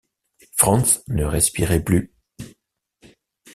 Franz ne respirait plus...